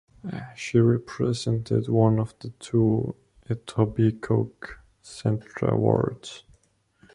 She represented one of the two Etobicoke Centre wards.